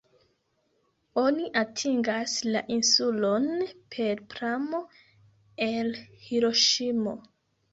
Oni atingas la insulon per pramo el Hiroŝimo.